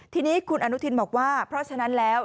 ทีนี้คุณอนุทินบอกว่าเพราะฉะนั้นแล้ว